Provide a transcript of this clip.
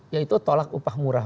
yaitu tolak upah murah